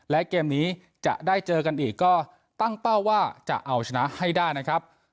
และเกมนี้จะได้เจอกันอีกก็ตั้งเป้าว่าจะเอาชนะให้ได้นะครับ